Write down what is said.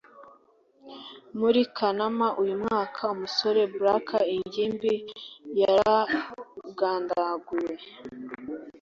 Muri Kanama uyu mwaka umusore black ingimbi yaragandaguwe